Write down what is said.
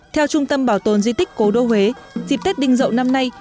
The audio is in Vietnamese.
theo trung tâm bảo tồn di tích cố đô huế dịp tết đinh dậu năm nay